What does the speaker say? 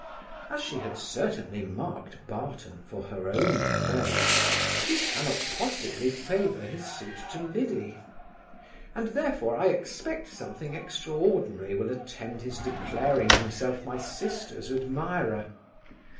As she had certainly marked Barton for her own prey, she cannot possibly favour his suit to Liddy; and therefore I expect something extraordinary will attend his declaring himself my sister's admirer.